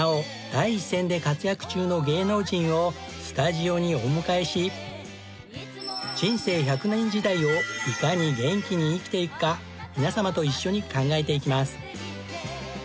第一線で活躍中の芸能人をスタジオにお迎えし人生１００年時代をいかに元気に生きていくか皆様と一緒に考えていきます。